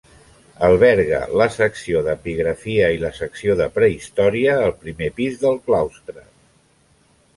Alberga la secció d'epigrafia i la secció de prehistòria al primer pis del claustre.